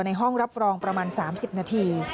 ห้องรับรองประมาณ๓๐นาที